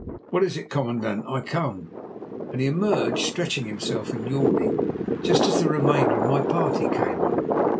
"What is it, commandant? I come," and he emerged, stretching himself and yawning, just as the remainder of my party came up.